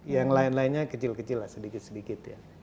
yang lain lainnya kecil kecil lah sedikit sedikit ya